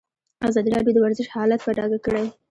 ازادي راډیو د ورزش حالت په ډاګه کړی.